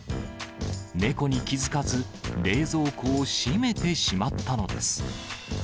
猫に気付かず、冷蔵庫を閉めてしまったのです。